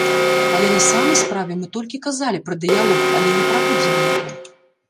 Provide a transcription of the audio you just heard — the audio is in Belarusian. Але на самай справе мы толькі казалі пра дыялог, але не праводзілі яго.